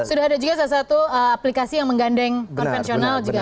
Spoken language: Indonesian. sudah ada juga salah satu aplikasi yang menggandeng konvensional juga